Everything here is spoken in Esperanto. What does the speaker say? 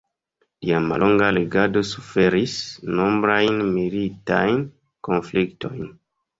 Lia mallonga regado suferis nombrajn militajn konfliktojn.